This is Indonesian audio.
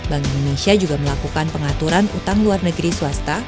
bank indonesia juga melakukan pengaturan utang luar negeri swasta